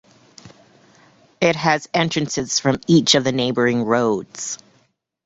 It has entrances from each of the neighbouring roads.